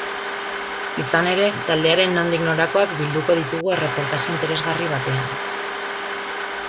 Izan ere, taldearen nondik norakoak bilduko ditugu erreportaje interesgarri batean.